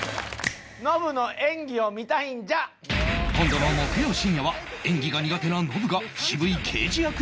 今度の木曜深夜は演技が苦手なノブが渋い刑事役に挑戦！